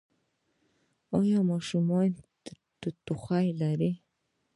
ایا ماشوم مو ټوخی لري؟